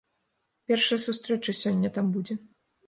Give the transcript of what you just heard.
Першая сустрэча сёння там будзе.